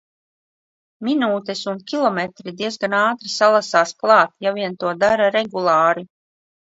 Minūtes un km diezgan ātri salasās klāt, ja vien to dara regulāri.